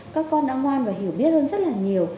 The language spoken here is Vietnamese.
các con đã ngoan và hiểu biết hơn rất là nhiều